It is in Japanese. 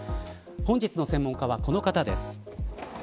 本日の専門家は、この方です。